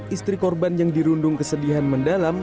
istri korban yang dirundung kesedihan mendalam